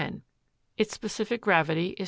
Its specific gravity is 2.